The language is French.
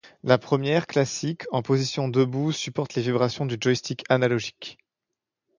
La première, classique, en position debout, supporte les vibrations du joystick analogique.